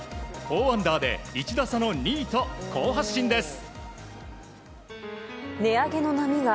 ４アンダーで１打差の２位と好発進です。